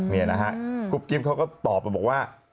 นี่นะฮะกุ๊บกิ๊บเขาก็ตอบไปบอกว่า